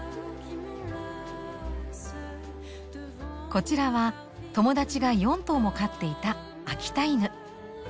こちらは友だちが４頭も飼っていた秋田犬。